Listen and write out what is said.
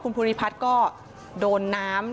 ภูริพัฒน์ก็โดนน้ำ